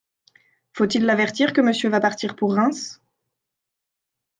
Faut-il l’avertir que Monsieur va partir pour Reims ?